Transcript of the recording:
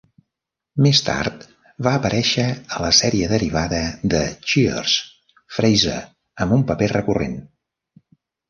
Més tard va aparèixer a la sèrie derivada de "Cheers" "Fraiser" amb un paper recurrent.